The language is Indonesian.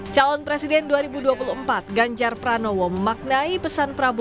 calon presiden dua ribu dua puluh empat ganjar pranowo memaknai pesan prabowo